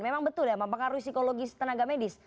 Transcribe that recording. memang betul ya mempengaruhi psikologis tenaga medis